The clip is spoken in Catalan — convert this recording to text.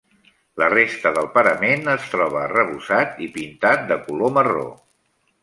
La resta del parament es troba arrebossat i pintat de color marró.